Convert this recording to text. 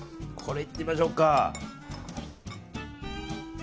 いってみましょうか。